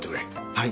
はい。